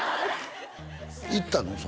行ったの？